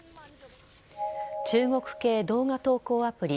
中国系動画投稿アプリ